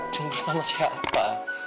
cemburu sama siapa